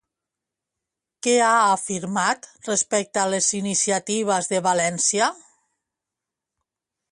Què ha afirmat, respecte a les iniciatives de València?